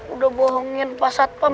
udah bohongin pak satpan